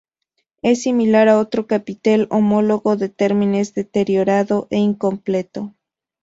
Es similar a otro capitel homólogo de Tiermes deteriorado e incompleto.